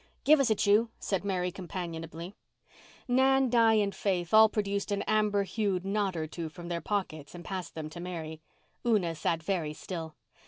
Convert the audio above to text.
"Give us a chew," said Mary companionably. Nan, Di and Faith all produced an amber hued knot or two from their pockets and passed them to Mary. Una sat very still.